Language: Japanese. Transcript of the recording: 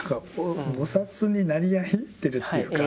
菩になり合ってるというか。